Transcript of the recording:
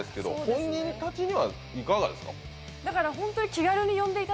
本人達にはいかがですか？